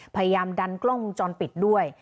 พยายามดันกล้องวงจรปิดด้วย